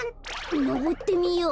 のぼってみよう。